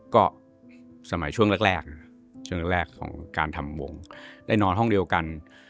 ก็สมัยช่วงแรกช่วงแรกของการทำวงได้นอนห้องเดียวกัน